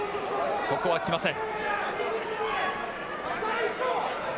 ここは来ません。